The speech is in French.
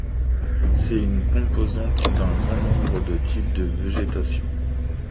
C'est une composante d'un grand nombre de types de végétation.